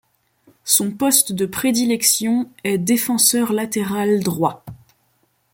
Son poste de prédilection est défenseur latéral droit.